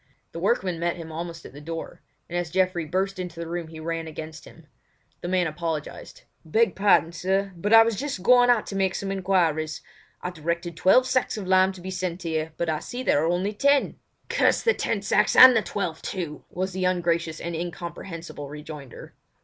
The workman met him almost at the door; and as Geoffrey burst into the room he ran against him. The man apologised: "Beg pardon, sir, but I was just going out to make some enquiries. I directed twelve sacks of lime to be sent here, but I see there are only ten." "Damn the ten sacks and the twelve too!" was the ungracious and incomprehensible rejoinder.